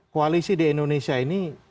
koalisi di indonesia ini